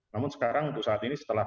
namun sekarang untuk saat ini setelah